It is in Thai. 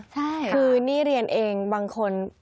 ใช่คือนี่เรียนเองบางคน